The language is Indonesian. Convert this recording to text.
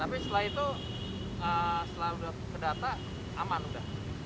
tapi setelah itu setelah udah ke data aman udah